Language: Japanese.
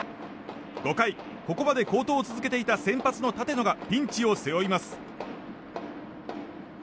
５回、ここまで好投を続けていた先発の立野がピンチを背負います。